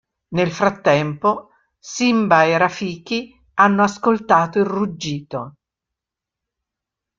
Nel frattempo, Simba e Rafiki hanno ascoltato il ruggito.